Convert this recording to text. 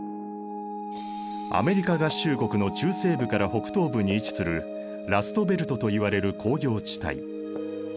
アメリカ合衆国の中西部から北東部に位置するラストベルトといわれる工業地帯。